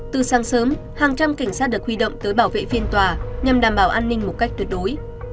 từ sáng sớm hàng trăm cảnh sát được huy động tới bảo vệ phiên tòa nhằm đảm bảo an ninh một cách tuyệt đối